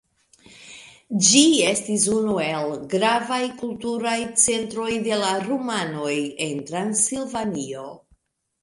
Ĝi estis unu el gravaj kulturaj centroj de la rumanoj en Transilvanio.